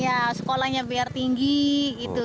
ya sekolahnya biar tinggi gitu